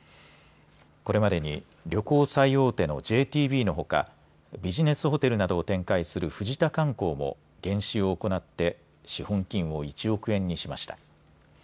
これまでに旅行最大手のＪＴＢのほか、ビジネスホテルなどを展開する藤田観光も減資を行って資本金を１億円にしました。